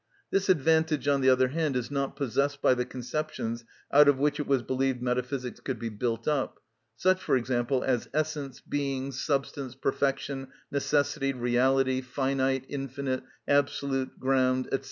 This advantage, on the other hand, is not possessed by the conceptions out of which it was believed metaphysics could be built up; such, for example, as essence, being, substance, perfection, necessity, reality, finite, infinite, absolute, ground, &c.